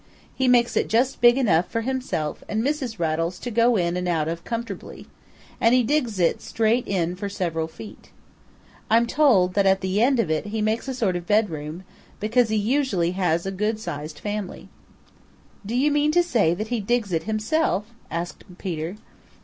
He makes it just big enough for himself and Mrs. Rattles to go in and out of comfortably, and he digs it straight in for several feet. I'm told that at the end of it he makes a sort of bedroom, because he usually has a good sized family." "Do you mean to say that he digs it himself?" asked Peter.